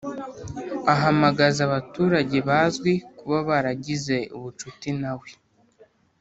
ahamagaza abaturage bazwi kuba baragize ubucuti nawe